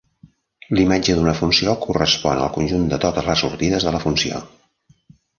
La imatge d'una funció correspon al conjunt de totes les sortides de la funció.